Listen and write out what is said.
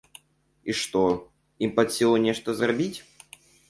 І што, ім пад сілу нешта зрабіць?